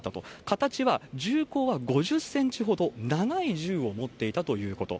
形は、銃口は５０センチほど、長い銃を持っていたということ。